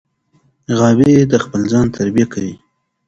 غابي د خپل ځان تربیه کوي.